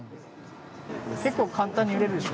結構、簡単に揺れるでしょ。